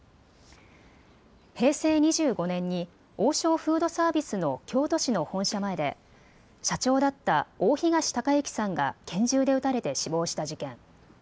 平成２５年に王将フードサービスの京都市の本社前で社長だった大東隆行さんが拳銃で撃たれて死亡した事件。